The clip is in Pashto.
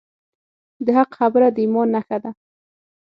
د حق خبره د ایمان نښه ده.